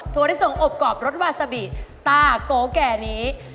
ที่ส่งอบกรอบรสวาซาบิตาโกแก่นี้